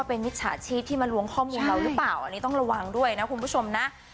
เปล่าอันนี้ต้องระวังด้วยนะคุณผู้ชมนะ